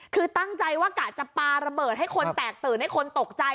คือตั้งใจว่ากะจะปลาระเบิดให้คนแตกตื่นให้คนตกใจ